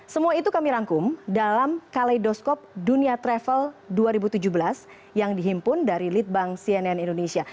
semua itu kami rangkum dalam kaleidoskop dunia travel dua ribu tujuh belas yang dihimpun dari litbang cnn indonesia